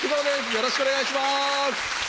よろしくお願いします！